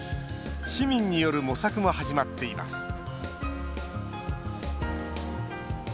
市民による模索も始まっています